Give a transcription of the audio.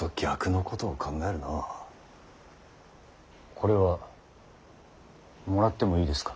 これはもらってもいいですか。